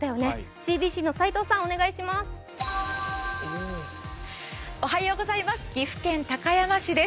ＣＢＣの斉藤さん、お願いします。